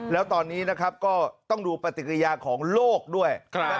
แล้วตอนนี้นะครับก็ต้องดูปฏิกิริยาของโลกด้วย